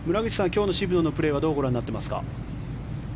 今日の渋野のプレーはどうご覧になっていますか。